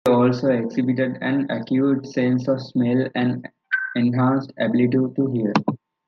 They also exhibited an acute sense of smell and an enhanced ability to hear.